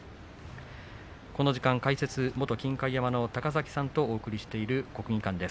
この時間、解説は元金開山の高崎さんとお送りしている国技館です。